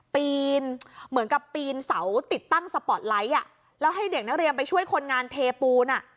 ปีนเหมือนกับปีนเสาติดตั้งสปอร์ตไลท์อ่ะแล้วให้เด็กนักเรียนไปช่วยคนงานเทปูนอ่ะ